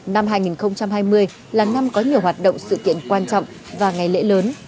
năm hai nghìn hai mươi là năm có nhiều hoạt động sự kiện quan trọng và ngày lễ lớn